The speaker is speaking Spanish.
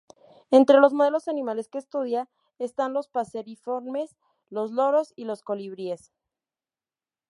Entre los modelos animales que estudia están los paseriformes, los loros y los colibríes.